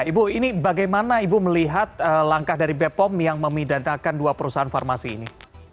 ibu ini bagaimana ibu melihat langkah dari bepom yang memidanakan dua perusahaan farmasi ini